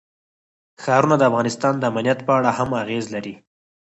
ښارونه د افغانستان د امنیت په اړه هم اغېز لري.